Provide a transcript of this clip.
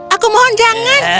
aku mohon jangan